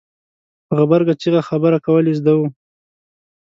په غبرګه چېغه خبره کول یې زده وو.